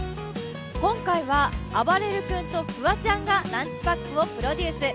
今回はあばれる君とフワちゃんがランチパックをプロデュース。